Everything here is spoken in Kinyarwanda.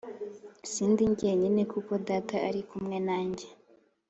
sindi jyenyine kuko Data ari kumwe nanjye